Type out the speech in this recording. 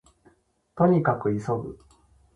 兎に角急ぐ